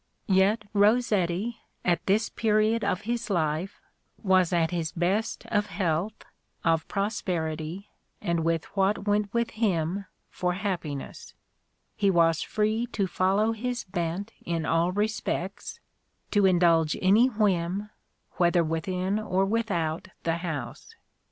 Yet Rossetti, at this period of his life, was at his best of health, of prosperity, and with what went with him for happiness : he was free to follow his bent in all respects, to indulge any whim, whether within or without the house.